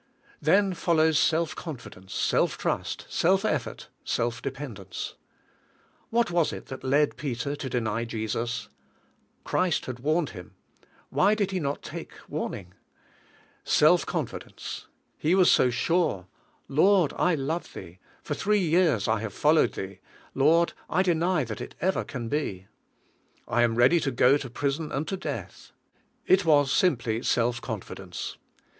Then follows self confidence, self trust, self effort, self dependence. What was it that led Peter to deny Jesus? Christ had warned him; why did he not take warning? Self confidence. He was so sure: "Lord, I love Thee» For three years I have followed Thee. Lord, I deny that it ever can be. I am ready to go to prison and to death." It was simply self confidence.